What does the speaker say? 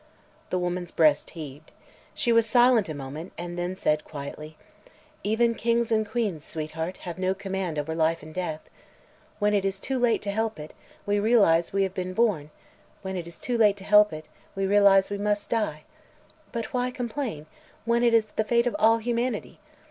The woman's breast heaved. She was silent a moment and then said quietly: "Even kings and queens, sweetheart, have no command over life and death. When it is too late to help it, we realize we have been born; when it is too late to help it, we realize we must die. But why complain, when it is the fate of all humanity?